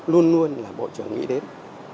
luôn luôn là bộ trưởng nghĩ đến